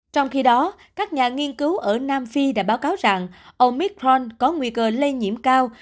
trong khi đó các nhà nghiên cứu ở nam phi đã báo cáo rằng ông micront có nguy cơ lây nhiễm cao